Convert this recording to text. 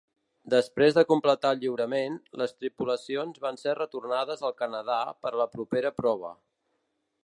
Després de completar el lliurament, les tripulacions van ser retornades al Canadà per a la propera prova.